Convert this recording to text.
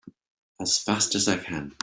As fast as I can!